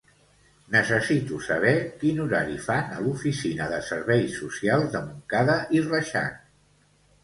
Necessito saber quin horari fan a l'oficina de serveis socials de Montcada i Reixac.